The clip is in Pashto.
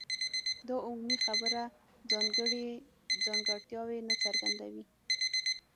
دا عمومي خبره ځانګړي ځانګړتیاوې نه څرګندوي.